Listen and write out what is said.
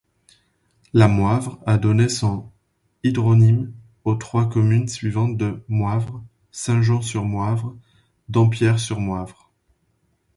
La Moivre a donné son hydronyme aux trois communes suivantes de Moivre, Saint-Jean-sur-Moivre, Dampierre-sur-Moivre.